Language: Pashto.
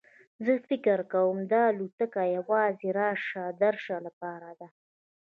زه فکر کوم دا الوتکه یوازې راشه درشه لپاره ده.